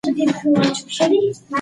رحیم په غوسه کې خبرې کوي.